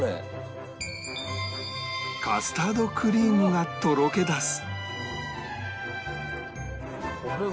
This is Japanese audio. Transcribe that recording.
カスタードクリームがとろけ出す